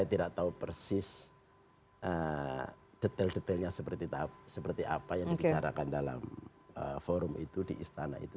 saya tidak tahu persis detail detailnya seperti apa yang dibicarakan dalam forum itu di istana itu